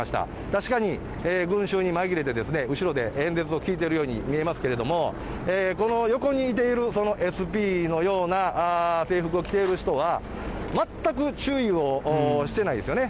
確かに群衆に紛れて、後ろで演説を聞いてるように見えますけれども、この横にいているＳＰのような制服を着ている人は、全く注意をしてないですよね。